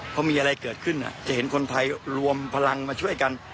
พอมีอะไรเกิดขึ้นจะเห็นคนไทยรวมพลังมาช่วยกัน